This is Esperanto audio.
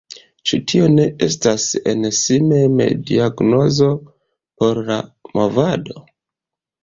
Ĉu tio ne estas en si mem diagnozo por la movado?